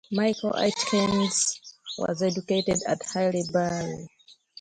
Michael Aitkens was educated at Haileybury.